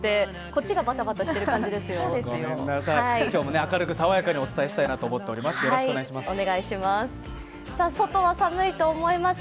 ごめんなさい、今日も明るく爽やかにお伝えしたいと思っております。